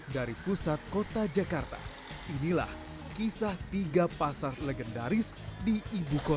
dari pusat kota jakarta inilah kisah tiga pasar legendaris di ibu kota